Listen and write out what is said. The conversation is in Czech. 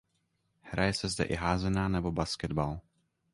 Hraje se zde i házená nebo basketbal.